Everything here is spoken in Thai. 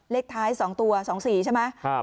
เลขท้าย๒ตัว๒๔ใช่ไหม